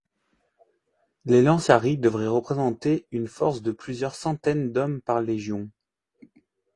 Les Lanciarii devaient représenter une force de plusieurs centaines d’hommes par légion.